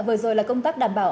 vừa rồi là công tác đảm bảo